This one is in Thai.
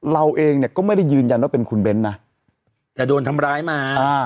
เราเองเนี่ยก็ไม่ได้ยืนยันว่าเป็นคุณเบ้นนะแต่โดนทำร้ายมา